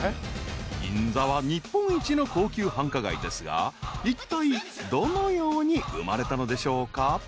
［銀座は日本一の高級繁華街ですがいったいどのように生まれたのでしょうか？］